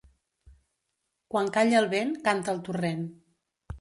Quan calla el vent, canta el torrent.